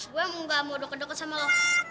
gue mau gak mau deket deket sama lo